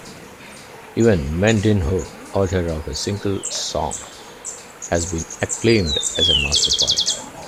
Even Mendinho, author of a single song, has been acclaimed as a master poet.